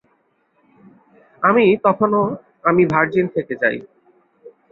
আমি তখনো আমি ভার্জিন থেকে যাই।